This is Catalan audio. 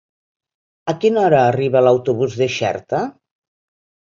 A quina hora arriba l'autobús de Xerta?